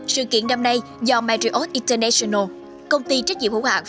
sự kiện năm nay do mariot international công ty trách nhiệm hữu hạng